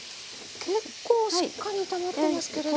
結構しっかり炒めてますけれども。